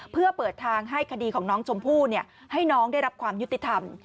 เพื่อเปิดทางให้คดีของน้องชมพู่ให้น้องได้รับความยุติธรรม